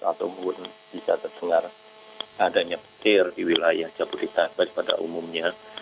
ataupun bisa terdengar adanya petir di wilayah jabodetabek pada umumnya